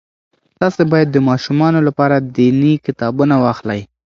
تاسې باید د ماشومانو لپاره دیني کتابونه واخلئ.